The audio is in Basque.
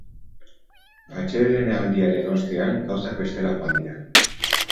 Atsedenaldiaren ostean, gauzak bestela joan dira.